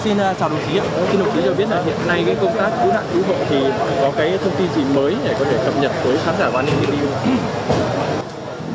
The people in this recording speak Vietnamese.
xin đồng chí cho biết là hiện nay công tác cứu nạn phú hộ thì có cái thông tin gì mới để có thể cập nhật với khán giả quan hệ thị tiêu